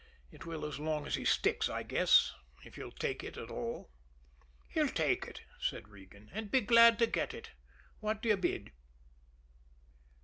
It will as long as he sticks, I guess if he'll take it at all." "He'll take it," said Regan, "and be glad to get it. What do you bid?"